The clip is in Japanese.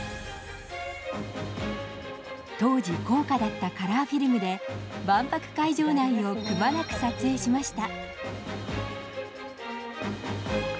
当時、高価だったカラーフィルムで、万博会場内をくまなく撮影しました。